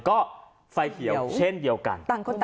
ก็ไฟเขียวเช่นเดียวกัน